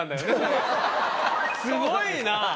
すごいなぁ。